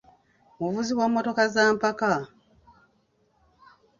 Muvuzi wa mmotoka za mpaka.